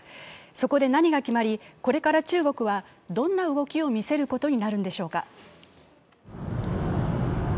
そこで何が決まり、これから中国はどんな動きを見せることになるんでしょうか。